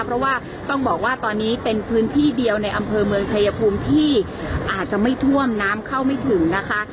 เพราะว่าต้องบอกว่าตอนนี้เป็นพื้นที่เดียวในอำเภอเมืองชายภูมิที่อาจจะไม่ท่วมน้ำเข้าไม่ถึงนะคะ